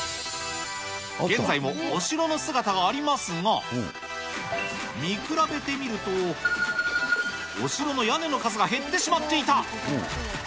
現在もお城の姿がありますが、見比べてみると、お城の屋根の数が減ってしまっていた。